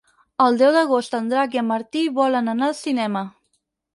El deu d'agost en Drac i en Martí volen anar al cinema.